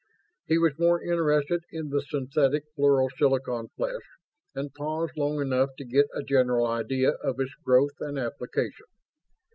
He was more interested in the synthetic fluoro silicon flesh, and paused long enough to get a general idea of its growth and application.